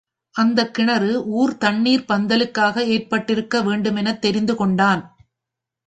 அந்தக் கிணறு ஊர் தண்ணிர்ப் பந்தலுக்காக ஏற்பட்டிருக்க வேண்டுமெனத் தெரிந்து கொண்டான்.